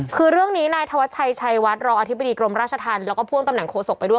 คือเรื่องนี้นายธวัชชัยชัยวัดรองอธิบดีกรมราชธรรมแล้วก็พ่วงตำแหนโศกไปด้วย